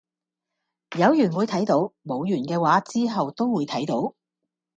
有緣會睇到，冇緣既話之後都會睇到